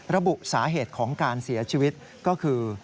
ระบุสาเหตุของการเสียชีวิตก็คือ